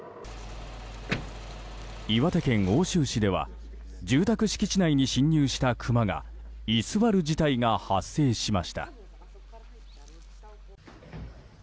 岩手県奥州市では住宅敷地内に侵入したクマが居座る事態が発生しました。